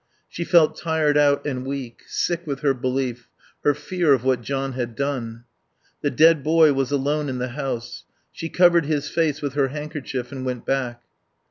She felt tired out and weak, sick with her belief, her fear of what John had done. The dead boy was alone in the house. She covered his face with her handkerchief and went back.